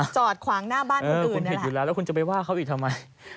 จอดขวางหน้าบ้านคนอื่นคุณเห็นอยู่แล้วแล้วคุณจะไปว่าเขาอีกทำไม